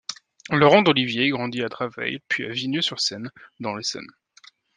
Laurent D'Olivier grandit à Draveil puis à Vigneux-sur-Seine, dans l'Essonne.